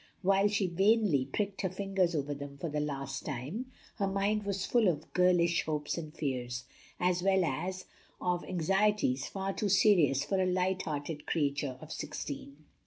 While she vainly pricked her fingers over them for the last time, her mind was full of girlish hopes and fears, as well as of anxieties far too serious for a light hearted creature of sixteen.